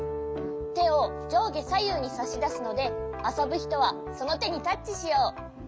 てをじょうげさゆうにさしだすのであそぶひとはそのてにタッチしよう。